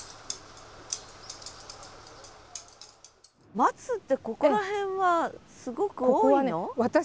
松ってここら辺はすごく多いの？